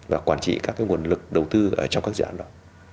và quản trị các nguồn lực đầu tư ở trong các dự án đó